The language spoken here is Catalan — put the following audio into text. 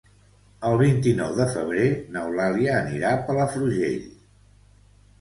El vint-i-nou de febrer n'Eulàlia anirà a Palafrugell.